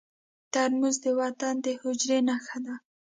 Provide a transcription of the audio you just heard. ترموز د وطن د حجرې نښه ده.